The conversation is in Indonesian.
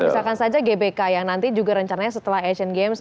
misalkan saja gbk yang nanti juga rencananya setelah asian games